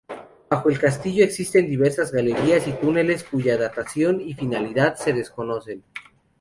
Bajo el castillo, existen diversas galerías y túneles, cuya datación y finalidad se desconocen.